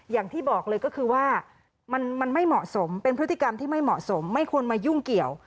อย่างที่บอกเลยก็คือว่ามันไม่เหมาะสมเป็นพฤติกรรมที่ไม่เหมาะสมไม่ควรมายุ่งเกี่ยว